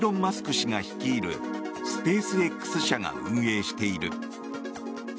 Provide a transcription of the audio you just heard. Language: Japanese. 氏が率いるスペースＸ社が運営している。